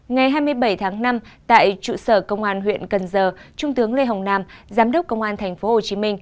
ngày hai mươi bảy tháng năm tại trụ sở công an huyện cần giờ trung tướng lê hồng nam giám đốc công an tp hcm